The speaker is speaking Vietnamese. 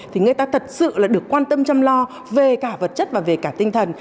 thì người ta thật sự là được quan tâm chăm lo về cả vật chất và về cả tinh thần